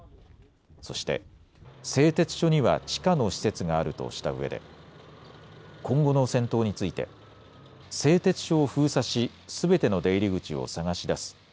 そして製鉄所には地下の施設があるとしたうえで今後の戦闘について製鉄所を封鎖し、すべての出入り口を探し出す。